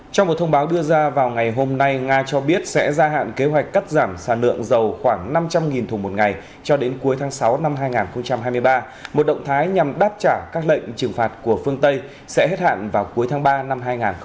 trong một thông báo đưa ra vào ngày hôm nay nga cho biết sẽ gia hạn kế hoạch cắt giảm sản lượng dầu khoảng năm trăm linh thùng một ngày cho đến cuối tháng sáu năm hai nghìn hai mươi ba một động thái nhằm đáp trả các lệnh trừng phạt của phương tây sẽ hết hạn vào cuối tháng ba năm hai nghìn hai mươi